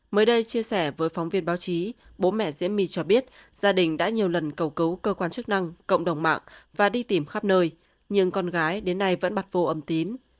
mới đây chia sẻ với phóng viên báo chí bố mẹ diễm my cho biết gia đình đã nhiều lần cầu cứu cơ quan chức năng cộng đồng mạng và đi tìm khắp nơi nhưng con gái đến nay vẫn bật vô âm tín